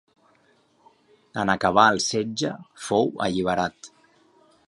En acabar el setge, fou alliberat.